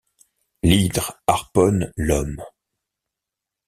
L’hydre harponne l’homme.